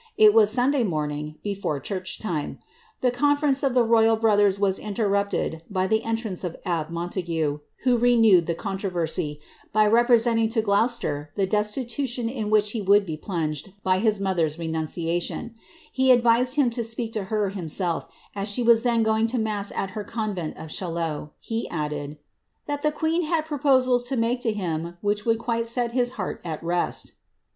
It was Sunday morning, before church time. The conference of the royal bro thers was interrupted by the entrance of abbe Montague, who renewed the controversy, by representing to Gloucester the destitution in which he would be plunged by his mother's renunciation : he advised him to speak to her himself, as she was then going to mass at her convent uf Ciiaillot; he added, ^that the queen had proposals to make to him vbich would quite set his heart at rest."